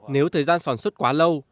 nếu thời gian sản xuất quá lâu